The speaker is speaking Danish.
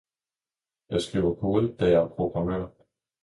Jeg skriver kode, da jeg er programmør.